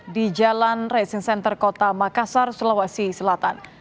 di jalan racing center kota makassar sulawesi selatan